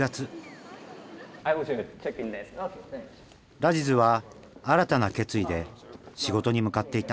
ラジズは新たな決意で仕事に向かっていた。